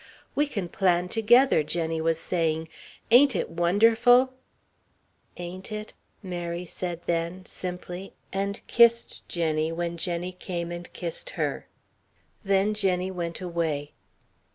"We can plan together," Jenny was saying. "Ain't it wonderful?" "Ain't it?" Mary said then, simply, and kissed Jenny, when Jenny came and kissed her. Then Jenny went away.